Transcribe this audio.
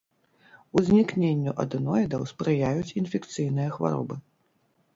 Узнікненню адэноідаў спрыяюць інфекцыйныя хваробы.